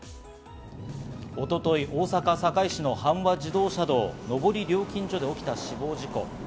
一昨日、大阪堺市の阪和自動車道を上り料金所で起きた死亡事故。